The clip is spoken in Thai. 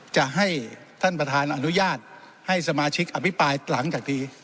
จะให้ท่านประธานอนุญาตให้สมาชิกอภิปรายหลังจากที่